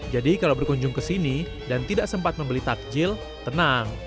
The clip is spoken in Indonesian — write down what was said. jadi kalau berkunjung ke sini dan tidak sempat membeli takjil tenang